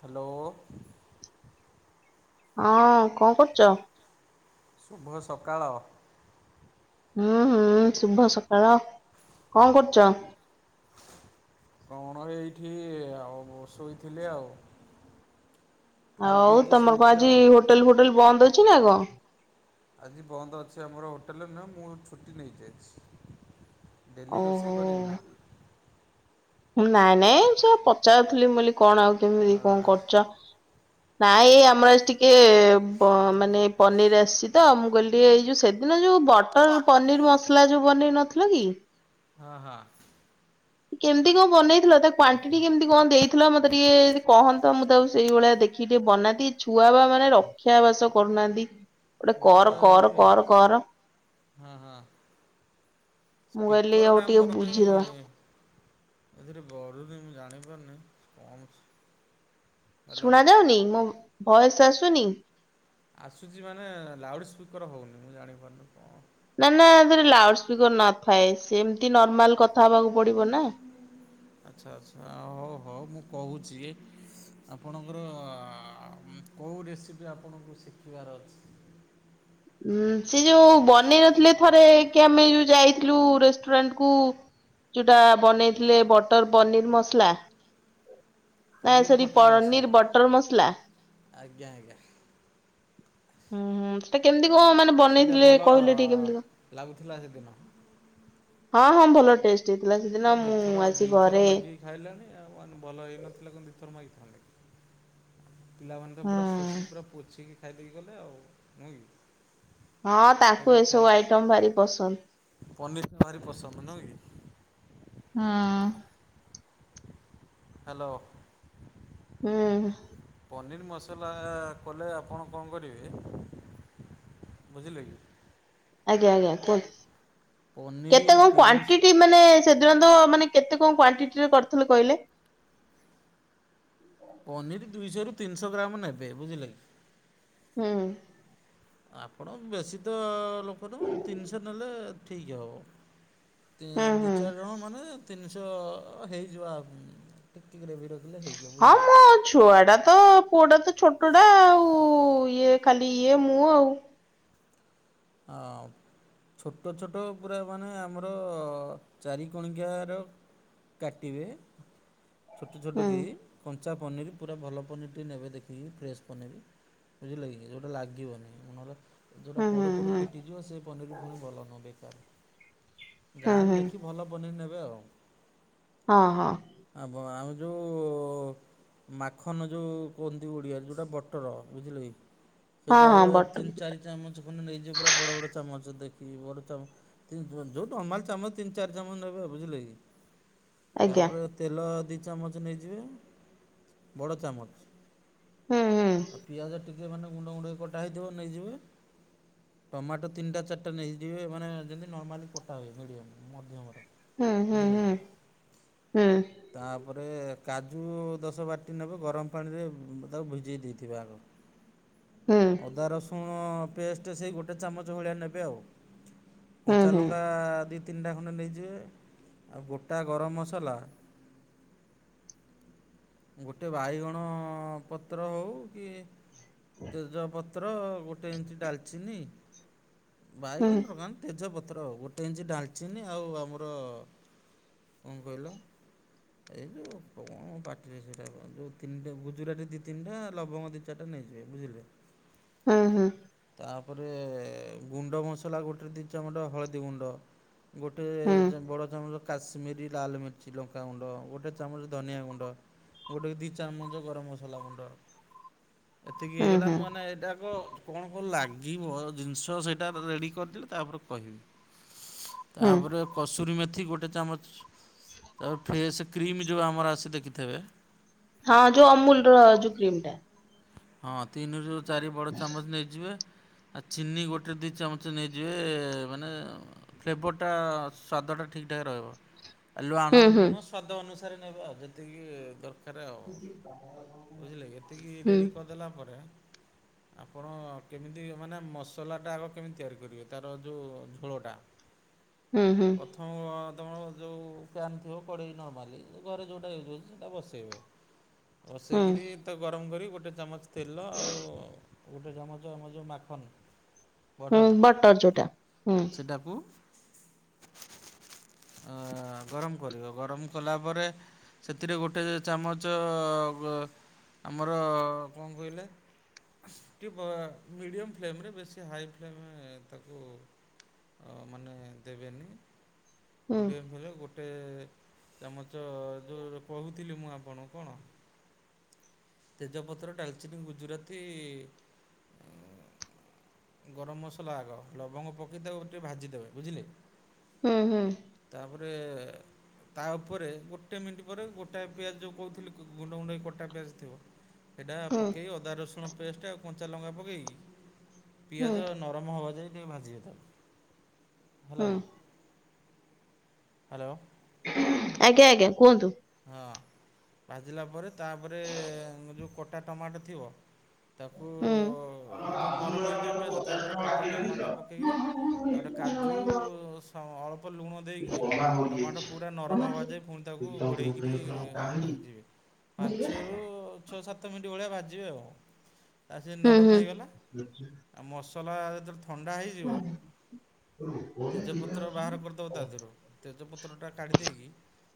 Hello. ହଁ କଣ କରୁଚ? ଶୁଭ ସକାଳ। ହୁଁ-ହୁଁ ଶୁଭ ସକାଳ, କଣ କରୁଚ? କଣ ଏଇଠି ଆଉ ଶୋଇଥିଲି ଆଉ। ଖାଇ ଆଉ ପିଇକି ତମର କଣ ଶୋଇଛି ଆଜି ଆଉ। ହୋଟେଲ୍ ଫୋଟେଲ୍ ବନ୍ଦ ଅଛି ନା କଣ? ଆଜି ବନ୍ଦ ଅଛି ଆମର ହୋଟେଲ ନୁହେଁ, ମୁଁ ଛୁଟି ନେଇଚି ଆଜି। ଡେଲି ରୋଷେଇ କରିବି ନା। ନାଇଁ-ନାଇଁ ମୁଁ ସେଇଆ ପଚାରୁଥିଲି ମୁଁ କହିଲି କଣ ଆଉ କେମିତି କଣ ଆଜି କରୁଚ। ନାଇଁ ଏ ଆମର ଆଜି ଟିକେ ପ ମାନେ ପନିର୍ ଆସିଚି ତ, ମୁଁ କହିଲି ଟିକେ ଏଇ ଯୋଉ ସେ ଦିନ ଯେଉଁ ବଟର୍ ବଟ ପନିର୍ ମସଲା ଯୋଉ ବନେଇ ନଥିଲ କି ହଁ-ହଁ। କେମ୍ତି କଣ ବନେଇଥିଲ ତା କ୍ଵଣ୍ଟିଟି କେମ୍ତି କଣ ଦେଇଥିଲ ମତେ ଟିକେ କହନ୍ତ ମୁଁ ତାକୁ ସେଇଭଳିଆ ଦେଖିକି ଟିକେ ବନାନ୍ତି, ଏ ଛୁଆ ବା ମାନେ ରକ୍ଷାବାସ କରୁନାହାନ୍ତି। ଗୋଟେ ମୋର ଏ କର-କର-କର-କର। ହଁ ହଁ ମୁଁ କହିଲି ସ୍ପିକରଟା ହଉ ଟିକେ ମୋର କାହିଁ ବୁଝିଦବା। ଏଥିରେ ବଢୁନି ମୁଁ ଜାଣିପାରୁନି କଣ ହ୍ୟାଲୋ ଶୁଣା ଯାଉନି ମୋ ଭଏସ୍ ଆସୁନି? ଆସୁଚି ମାନେ ଲାଉଡ଼୍ ସ୍ପିକର୍ ହଉନି ମୁଁ ଜାଣିପାରୁନି କଣ ନା ନା ଆଧେରେ ଲାଉଡ୍ ସ୍ପିକର୍ ନଥାଏ ସେମ୍ତି ନର୍ମାଲ୍ କଥା ହବାକୁ ପଡିବ ନା। ଆଚ୍ଛା-ଆଚ୍ଛା ହଉ-ହଉ ମୁଁ କହୁଛି। ଆପଣଙ୍କର କୋଉ ରେସିପି ଆପଣଙ୍କୁ ଶିଖିବାର ଅଛି? ହୁଁ ସେ ଯୋଉ ବନେଇ ନଥିଲେ ଥରେ କି ଆମେ ଯୋଉ ଯାଇଥିଲୁ ରେ ରେଣ୍ଟକୁ ଯୋଉଟା ବନେଇଥିଲେ ବଟର ପନିର ମସଲା ନାଇ ପନିର୍ ସରି ବଟର୍ ପନିର ମସଲା ବଟର ମସଲା। ଆଜ୍ଞା ଆଜ୍ଞା ହୁଁ ହୁଁ। କେମିତି କଣ ମାନେ ସେଇଟା ବନେଇଥିଲେ ଭଲ କହିଲେ ଟିକେ କେମିତି କଣ? ଲାଗୁଥିଲା ସେଦିନ ହଁ ହଁ ଭଲ ଟେଷ୍ଟ ହେଇଥିଲା ସେଦିନ ମୁଁ ଆସି ଘରେ ଖାଇଲାନି ଆଉ ମାନେ ଭଲ ହେଇନଥିଲା କଣ ଦିଥର ମାଗିଥାନ୍ତା କି? ପିଲାମାନେ ହୁଁ ପୁରା ଶୋଷି ପୁରା ପୋଛିକି ଖାଇ ଦେଇକି ଗଲେ ଆଉ ନୁହେଁ କି? ହଁ ତାଙ୍କୁ ଏସବୁ ଆଇଟମ ଭାରି ପସନ୍ଦ। ପନିର ଟା ଭାରି ପସନ୍ଦ ନୁହଁ କି? ହଁ। ହ୍ୟାଲୋ। ହୁଁ। ପନିର୍ ମସଲା କଲେ ଆପଣ କଣ କରିବେ ବୁଝିଲେ କି? ଆଜ୍ଞା ଆଜ୍ଞା କୁହନ୍ତୁ ପନିର କେତେ କଣ ତିନି କାଣ୍ଟିଟି ମାନେ ସେଦିନ ତ ମାନେ କେତେ କଣ କ୍ଵଣ୍ଟିରେ କରିଥିଲେ କହିଲେ? ପନିର୍ ଦୁଇଶହରୁ ତିନିଶହ ଗ୍ରାମ ନେବେ ବୁଝିଲେ କି ହୁଁ। ଆପଣ ବେଶୀ ତ ଲୋକ ନୁହଁ ତିନିଶହ ନେଲେ ଠିକ୍ ହେବ। ହୁଁ ଦୁଇ ହୁଁ। ଚାରିଜଣ ମାନେ ତିନିଶହ ହେଇଯିବ ଆ ପାଇଁ ଏତିକିରେ ଭି ରଖିଲେ ହେଇଯିବ। ହଁ ବୁଝିଲେ କି? ମୋ ଛୁଆ ଟା ତ ପୁଅଟା ତ ଛୋଟଟା ଆଉ ଇଏ ଖାଲି ଇଏ ମୁଁ ଆଉ ଆଁ ଛୋଟ ଛୋଟ ପୁରା ମାନେ ଆମର ଚାରିିକଣିକାର କାଟିବେ ଛୋଟ ଛୋଟ ହୁଁ କି କଞ୍ଚା ପନିରି ପୁରା ଭଲ ପନିରଟି ନେବେ ଦେଖିକି ଫ୍ରେଶ ପନିର ବୁଝିଲ କି ଯୋଉଟା ଲାଗିବନି ନହେଲା ଯେଉଁଟା ହୁଁ ହୁଁ ପୋଡ଼ୁ ପୋଡ଼ୁ ହୁଁ ଫିଟିଯିବ ସେ ପନିର ପୁଣି ଭଲ ନୁହେଁ ବେକାର ହୁଁ ଗାଁରେ ହୁଁ ଦେଖି ଭଲ ପାନିର ନେବେ ଆଉ ହଁ ହଁ। ଆ ଆମେ ଯୁ ମାଖନ ଯୋଉ କୁହନ୍ତି ଓଡ଼ିଆରେ ଯେଉଁଟା ବଟର ବୁଝିଲେ କି ହଁ ହଁ ସେଇଟାରେ ବଟନ ତିନି ଚାରି ଚାମଚ ଖଣ୍ଡେ ନେଇଯିବ ପୁରା ବଡ ବଡ ଚାମଚ୍ ଦେଖିକି ଯୋଉ ନର୍ମାଲ ଚାମଲ ତିନି ଚାରି ଚାମ ନେବେ ବୁଝିଲେ କି। ଆଜ୍ଞା ତାପରେ ତେଲ ଦୁଇ ଚାମଚ ନେଇଯିବେ ବଡ଼ ଚାମଚ। ହୁଁ ହୁଁ। ଆଉ ପିଆଜ ଟିକେ ମାନେ ଗୁଣ୍ଡ ଗୁଣ୍ଡ କଟା ହେଇଥିବ ନେଇଯିବେ। ଟମାଟୋ ତିନିଟା ଚାରିଟା ନେଇଯିବେ ମାନେ ଯେମିତି ନର୍ମାଲି କଟା ହୁଏ ମିଡିଅମ ମଧ୍ୟମ ହୁଁ ହୁଁ ହୁଁ ହୁଁ। ତାପରେ କାଜୁ ଦଶ ବାର ଟି ନେବେ ଗରମ ପାଣିରେ ତାକୁ ଭିଜେଇ ଦେଇଥିବେ ଆଗ ହୁଁ। ଅଦା ରସୁଣ ପେଷ୍ଟ ସେଇ ଗୋଟେ ଚାମଚ ଭଳିଆ ନେବେ ଆଉ କଞ୍ଚାଲଙ୍କା ଦୁଇ ତିନିଟା ଖଣ୍ଡେ ନେଇଯିବେ ଆଉ ଗୋଟା ଗରମ ମସଲା ଗୋଟେ ବାଇଗଣ ପତ୍ର ହେଉ କି ତେଜପତ୍ର ଗୋଟେ ଇଞ୍ଚି ଡାଲଚିନି ବାଇଗଣ ଦରୋକାନ ତେଜପତ୍ର ଆଉ ଗୋଟେ ଇଞ୍ଚି ଡାଲଚିନି ଆଉ ଆମର କଣ କହିଲ? ଏଇ ଯୋଉ କଣ ପାଟିରେ ସେଇଟା ଯୋଉ ତିନିଟା ଗୁଜୁରାରେ ଦି ତିନିଟା ଲବଙ୍ଗ ଦି ଚାଟା ନେଇଯିବେ ବୁଝିଲେ। ହୁଁ ହୁଁ। ତାପରେ ଗୁଣ୍ଡ ମସଲା ଗୋଟେ ଦୁ ଚାମଟ ହଳଦୀ ଗୁଣ୍ଡ ଗୋଟେ ବଡ ଚାମଚ କାଶ୍ମୀରୀ ଲାଲ ମିର୍ଚି ଲଙ୍କାାଗୁଣ୍ଡ ଗୋଟେ ଚାମଚ ଧନିଆ ଗୁଣ୍ଡ ଗୋଟେ ଦୁଇ ଚାରିମଞ୍ଚ ଗରମ ମସଲା ଗୁଣ୍ଡ ଏତିକି ହେଇଗଲା ମାନେ ଏଇଟାକ କଣ କଣ ଲାଗିବ ଜିନିଷ ସେଇଟା ରେଡ଼ି କରିଦେଲେ ତାପରେ କହିବି ତାପରେ କସୁରୀ ମେଥି ଗୋଟେ ଚାମଚ ତାପରେ ଫେସ୍ କ୍ରିମ୍ ଯେଉଁ ଆମର ଆସି ଦେଖିଥିବେ। ହଁ ଯୋଉ ଅମୁଲ ର ଯୋଉ କ୍ରିମ ଟା। ହଁ ତିନିରୁ ଚାରି ବଡ଼ ଚାମଚ ନେଇଯିବେ। ଆଉ ଚିନି ଗୋଟେ ଦୁଇ ଚାମଚ ନେଇଯିବେ ମାନେ ଫ୍ଲେଭରଟା ସ୍ୱାଦଟା ଠିକ୍ଠାକ୍ ରହିବ। ଲାଣ ହୁଁ ହୁଁ ଲୁଣ ସ୍ଵାଦ ଅନୁସାରେ ନେବା ଆଉ ଯେତିକି ଦରକାର। ପାଖରେ ଆଉ ବୁଝିଲେ ଏତିକି ହୁଁ ରେଡ଼ି କରିଦେଲା ପରେ। ଆପଣ କେମିତି ମାନେ ମସଲାଟା ଆଗ କେମିତି ତିଆରି କରିବେ ତାର ଯେଉଁ ଝୋଳଟା ହୁଁ ହୁଁ। ହ ତୁମର ଯେଉଁ ଫ୍ୟାନ୍ ଥିବ କଡ଼େଇ ନର୍ମାଲି ଘରେ ଯେଉଁଟା ୟୁଜ୍ ହେଉଛି ସେଇଟା ବସେଇବେ। ହୁଁ ରଷେଇ କିରି ତା ଗରମ କରି ଗୋଟେ ଚାମଚ ତେଲ ଆଉ ଗୋଟେ ଚାମଚ ଆମ ଯେଉଁ ମାଖନ। ହୁଁ ବଟର ଯୋଉଟା ହୁଁ ୱଟର୍ ସେଇଟାକୁୁ ଗରମ କରିବ ଗରମ କଲା ପରେ ସେଥିରେ ଗୋଟେ ଚାମଚ ଆମର କଣ କହିଲେ? କି ମିଡ଼ିୟମ ଫ୍ଲେମ୍ରରେ ବେଶୀ ହାଇ ଫ୍ଲେମରେ ତାକୁ ଅ ମାନେ ଦେବେନି ହୁଁ ଘଡି ହେଲେ ଗୋଟେ। ଗୋଟେ ଚାମଚ ଯୋଉ କହୁଥିଲି ମୁଁ ଆପଣ କଣ? ତେଜପତ୍ର ଡାଲଚିନି ଗୁଜୁରାତି। ଗରମ ମସଲା ଆଗ ଲବଙ୍ଗ ପକାଇଦେବ ଟିକେ ଭାଜିଦେବେ ବୁଝିଲେ? ହୁଁ ହୁଁ। ତାପରେ ତା ଉପରେ ଗୋଟେ ମିନିଟ୍ ପରେ ଗୋଟାଏ ପିଆଜ ଯେଉଁ କହୁଥିଲି ଗୁଣ୍ଡ ଗୁଣ୍ଡେଇ କଟା ପିଆଜ ଥିବ। ଏଡ଼ା ହୁଁ ପକେଇ ଅଦା ରସୁଣ ପେଷ୍ଟ ଆଉ କଞ୍ଚା ଲଙ୍କା ପକେଇକି ହୁଁ ହୁଁ ପିଆଜ ନରମ ହେବା ଯାଇ ଟିକ ଭାଜିିଥାଉ। ହେଲା କିି ହ୍ୟାଲୋ? ଆଜ୍ଞା ଆଜ୍ଞା କୁହନ୍ତୁ। ହଁ ଭାଜିଲା ପରେ ତାପରେ ଯେଉଁ କଟା ଟମାଟୋ ଥିବ ତାକୁ ହୁଁ। ଯେମିତି ନରମ ହେଇଯିବେ ପିଆଜ ତାପରେ କଟା ଟମାଟୋ ପକେଇବେ ହୁଁ ତାପରେ ହୁଁ ଆଜ୍ଞା ହଁ କାଜୁ ହଁ। ଅଳ୍ପ ଲୁଣ ଦେଇକି ଟମାଟୋ ପୁରା ନରମ ହେବା ଯାଏ ପୁଣି ତାକୁ ଘୋଡ଼େଇକରି ଭା ଯିବେ ହୁଁ ପାଞ୍ଚରୁ ଛଅ ସାତ ମିନିଟ୍ ଭଳିଆ ବାଜିବେ ଆଉ। ତା ସ ନରମ ହୁଁ ହେଇଗଲା ଆଉ ମସଲା ଯେତେବେଳେ ଥଣ୍ଡା ହେଇଯିବ ହୁଁ। ତେଜପତ୍ର ବାହାର କରିଦେବ ତା ଦେହ ତେଜପତ୍ରଟା କାଢ଼ିଦେଇକି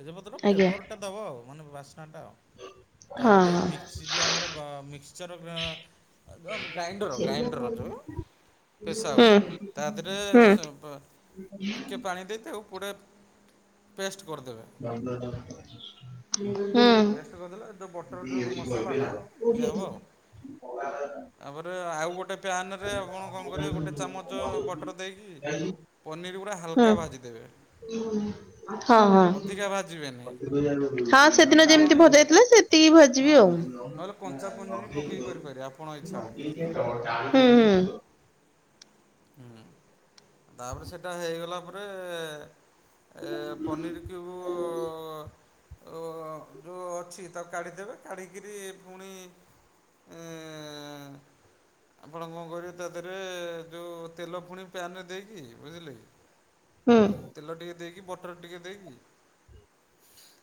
ତେଜପତ୍ର ଫ୍ଲେବରଟା ଦବ ଆଉ ମାନେ ବାସ୍ନାଟା ଆଉ। ହଁ। ସେ ଯେଉଁ ଆମର ମିକ୍ସଚର ଗ୍ରାଇଣ୍ଡର ଗ୍ରାଇଣ୍ଡର ଯେଉଁ ପେଶା ହୁଏ ତା ଦେହରେ ଟିକେ ପା ପାଣି ଦେଇ ତାକୁ ପୁରା ପେଷ୍ଟ କରିଦେବେ। ହୁଁ ବୁିଲ ପେ କରିଦେ ଯୋଉ ବଟର ଯଉ ମସଲା ପସଲାଟା ଏ ହେବ ଆଉ। ତା ପରେ ଆଉ ଗୋଟେ ପ୍ୟାନ ରେ ଆପଣ କଣ କରିବେ ଗୋଟେ ଚାମଚ ବଟର ଦେଇକି। [inaudible] ପନିର୍ ଗୁଡ଼ା ହୁଁ ହାଲକା ଭାଜିଦେବେ। ହଁ ହଁ। ଅଧିକା ଭାଜିବେନି ହଁ ଏଟା ସେଦିନ ଟାଣ ଯେମିତି ଭଜା ହେଇଯିବ ହେଇଥିଲା ସେତିକି ହଁ ଭାଜିବେ ଆଉ। ନହେଲେ ହୁଁ କଞ୍ଚା ପନିର ବି ପକେଇକି କରିପାରିବେ ଆପଣଙ୍କ ହୁଁ ଇଚ୍ଛା ବୁଝିଲେ କି ହୁଁ। ହୁଁ ତାପରେ ସେଟା ହେଇଗଲା ପରେ। ଏ ପନିର କି ଉ ଅ ଅ ଯଉ ଅଛି ତାକୁ କାଢ଼ିଦେବେ କାଢ଼ି କିରି ଫୁଣି ଏଁ ଆପଣ କଣ କରିବେ ତା ଦେରେ ଯଉ ତେଲ ଫୁଣି ପ୍ୟାନ୍ ରେ ଦେଇକି ବୁଝିଲେ। ହୁଁ। ତେଲ ଟିକେ ଦେଇକି ବଟର ଟିକେ ଦେଇକି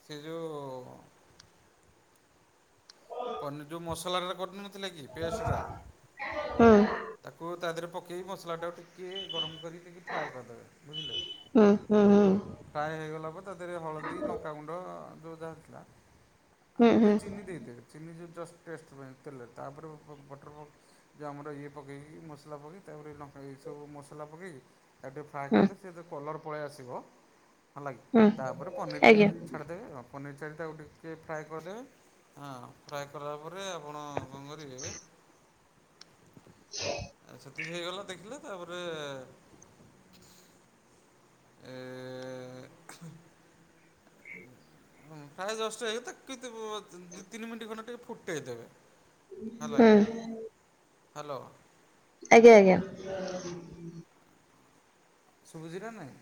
ସେ ଯୋଉ ପନିର ଯଉ ମସଲାଟାର କରିନଥିଲେ। କି ପେଷ୍ଟ ଡା ହୁଁ ତାକୁ ତା ଦେରେ ପକେଇ ମସଲାଟାକୁ ଟିକେ ଟିକିଏ ଗରମ କରି ଦେଇକି ଫ୍ରାଏ କରିଦେବେ ହୁଁ ବୁଝିଲେ ହୁଁ ଫ୍ରାଏ ହୋଇଗଲା ପରେ ତା ଦେରେ ହଳଦୀ ଲଙ୍କାଗୁଣ୍ଡ ଯଉ ଯାହା ଥିଲା। ଆଉ ଗୋଟେ ଚିନି ହୁଁ ଦେଇଦେ ଚିନି ଯେ ଜଷ୍ଟ ଟେଷ୍ଟ ପାଇଁ ଦେଲେ ତାପରେ ବ ବଟର ପକ୍ ଯେ ଆମର ଇଏ ପକେଇକି ମସଲା ପକେଇ ତାପରେ ଲଙ୍କା ଏଇ ସବୁ ମସଲା ପକେଇକି ତାକୁ ଟିକେ ଫ୍ରାଏ କରଦେ ସେ ତ କଲର୍ ପଳେଇ ଆସିବ ହେଲାଗି ତାପରେ ପନିରି ଆଜ୍ଞା ଛାଡ଼ିଦେବେ ଆଉ ପନିର ଚାରିଟାକୁ ଟିକିଏ ଫ୍ରାଏ କରିଦେବେ ହଁ ଫ୍ରାଏ କଲା ପରେ ଆପଣ କଣ କରିବେ ଆ ସେତିକି ହେଇଗଲା ଦେଖିଲେ ତାପରେ ଏ ହଁ ପ୍ରାୟ ଦଶଟା ହେଇ [unintelligible] ଦି ତିି ମିନିଟ ଖଣ୍ଡେ ଟିକେ ଫୁଟେଇ ଦେବେ। ହେଲା ହୁଁ ହାଲୋ। ଆଜ୍ଞା ଆଜ୍ଞା। ହ [inaudible] ଶୁଭୁଜି ନା ନାଇଁ।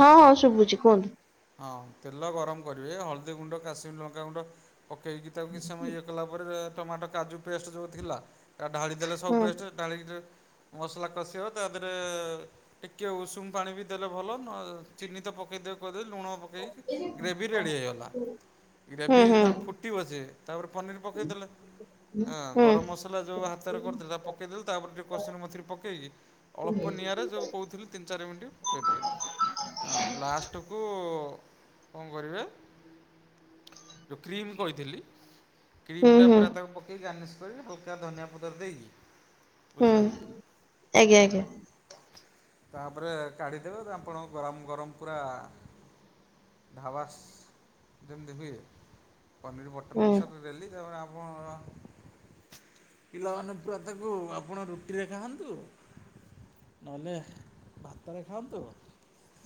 ହଁ ହଁ ଶୁଭୁଚି କୁହନ୍ତୁ। ହଁ ତେଲ ଗରମ କରିବେ ହଳଦୀ ଗୁଣ୍ଡ କାଶ୍ମୀର ଲଙ୍କାଗୁଣ୍ଡ ପକେଇକି ତାକୁ କିଛି ସମୟ ଇଏ କଲା ପରେ ଟମାଟୋ କାଜୁ ପେଷ୍ଟ ଯଉ ଥିଲା ତା ଢାଳି ଦେଲେ ସବୁ ହୁଁ ପେଷ୍ଟ ଢାଳିକି ମସଲା କଷିବ ତା ଦେରେ ଟିକିଏ ଉଷୁମ ପାଣି ବି ଦେଲେ ଭଲ ନ ଚିନି ତ ପକେଇଦେ ଲୁଣ ପକେଇକି ଗ୍ରେଭି ରେଡ଼ି ହେଇଗଲା ହୁଁ ଗ୍ରେଭି ହୁଁ ଯେତେବେଳେ ଫୁଟ ଫୁଟିବ ସେ ତାପରେ ପନିର ପକେଇଦେଲେ। ହଁ ହୁଁ ଗରମ ମସଲା ଯଉ ହାତରେ କରିଥିଲ ହେରା ପକେଇଦେଲି ତାପରେ ଟିକେ କସ୍ତୁରୀ ମେଥିରେ ପକେଇକି ଅଳ୍ପ ନିଆଁରେ ଯୋଉ କହୁଥିଲି ତିନି ଚାରି ମିନିଟ୍ ପକେଇଦେବେ ହଁ ଲାଷ୍ଟ ଟକୁ କଣ କରିବେ ଯଉ କ୍ରିମ୍ କହିଥିଲି। କ୍ରିମ୍ ହୁଁ ଟା ହୁଁ ପୁରା ତାକୁ ପକେଇ ଗାନିସ୍ କରିବେ ହଲକା ଧନିଆ ପତର ଦେଇକି ହୁଁ। ବୁଝିଲକି ଆଜ୍ଞା ଆଜ୍ଞା ତାପରେ କାଢିଦେବେ ଆପଣ ଗରମ ଗରମ ପୁରା ଢାବାସ୍ ଯେମିତି ହୁଏ ପନିର ବଟର ହୁଁ ମସଲ ଡେଲି ତାପରେ ଆପଣ ପିଲାମାନେ ପୁରା ତାକୁ ଆପଣ ରୁଟିରେ ଖାଆନ୍ତୁ। ନହେଲେ ଭାତରେ ଖାଆନ୍ତୁ।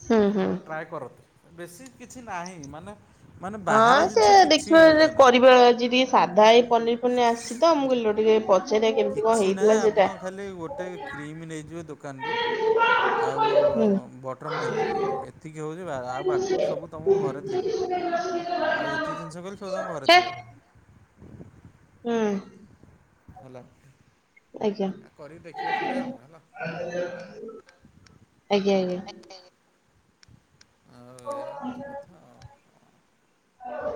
ହୁଁ -ହୁଁ। ଥରେ ଟ୍ରାଏ କରନ୍ତୁ ବେଶୀ କିଛି ନାହିଁ ମାନେ ମାନେ ହଁ ବାହାର ସେ ଜିନିଷ କିଛି ଦେଖିବା ୟୁଜ୍ ନାହିଁ କରିବା ଆଜି ଟିକେ ସାଧା ହେଇ ପନିର୍ ଫନିର୍ ଆସିଛି ତ ମୁଁ କହିଲି [unintelligible] ଟିକେ ପଚାରିବା କେମିତି କଣ କିଛି ହେଇଥିଲା ନାହିଁ ସେଇଟା ଆପଣ ଖାଲି ଗୋଟେ କ୍ରିମ୍ ନେଇଯିବେ ଦୋକାନରୁ ଆଉ ହୁଁ ବଟର୍ ନେଇଯିବେ। ଏତିକି ହଉଛି ବାହାରୁ ଆଉ ବାକୁ ସବୁ ତୁମ ଘରେ ଥିବ, ଆଉ ଯେତିକି ଜିନିଷ କହିଲି ସବୁ ତମ ଘରେ ଥିବ। ହେ ହୁଁ। ହେଲା ଆ କରିକି ଦେଖିବେ ଥରେ ଆଉ ହେଲା। ଆଜ୍ଞା-ଆଜ୍ଞା। ଆଉ ଏୟା ହଉଚି କଥା ଆଉ।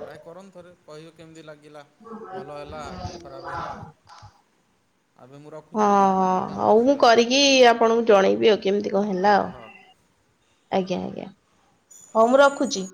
ଟ୍ରାଏ କରନ୍ତୁ ଥରେ କହିବେ କେମିତି ଲାଗିଲା ଭଲ ହେଲା କି ଖରାପ୍ ହେଲା। ଏବେ ମୁଁ ର ହଁ-ହଁ ହଉ ମୁଁ କରିକି ଆପଣଙ୍କୁ ଜଣେଇବି ଆଉ କେମିତି କଣ ହେଲା ହଉ ଆଉ। ହଉ। ଆଜ୍ଞା-ଆଜ୍ଞା ହଉ ମୁଁ ରଖୁଚି।